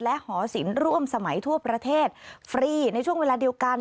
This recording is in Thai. และหอศิลป์ร่วมสมัยทั่วประเทศฟรีในช่วงเวลาเดียวกัน